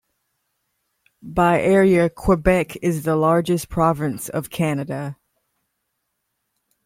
By area, Quebec is the largest province of Canada.